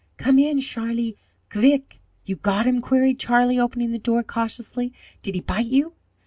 "Gome in, Sharlie, kvick!" "You got him?" queried Charlie, opening the door cautiously. "Did he bite you?"